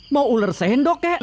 mau ular sendok kak